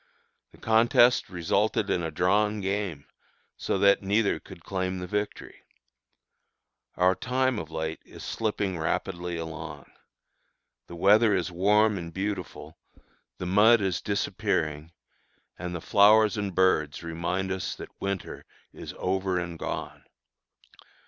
The contest resulted in a drawn game, so that neither could claim the victory. Our time, of late, is slipping rapidly along. The weather is warm and beautiful, the mud is disappearing, and flowers and birds remind us that winter is over and gone.